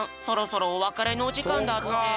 そろそろおわかれのおじかんだって。